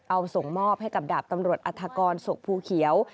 เอาส่งมอบให้กับดาบตำรวจอัฐกรศกภูเขียว